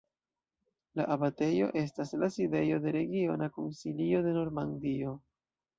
La abatejo estas la sidejo de Regiona Konsilio de Normandio.